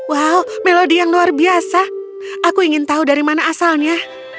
wow melodi yang luar biasa aku ingin tahu dari mana asalnya